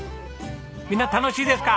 みんな楽しいですか？